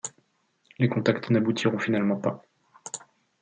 Les contacts n'aboutiront finalement pas.